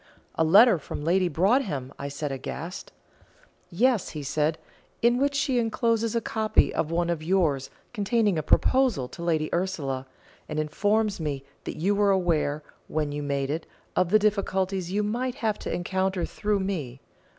"A letter from Lady Broadhem?" said I, aghast. "Yes," he said, "in which she encloses a copy of one of yours containing a proposal to Lady Ursula, and informs me that you were aware, when you made it, of the difficulties you might have to encounter through me.